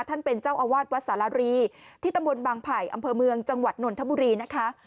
ท่านเป็นเจ้าอาวาสวัดสารรีที่ตำบลบางไผ่อำเภอเมืองจังหวัดนนทบุรีนะคะ